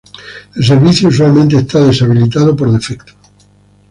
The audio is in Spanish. El servicio usualmente está deshabilitado por defecto.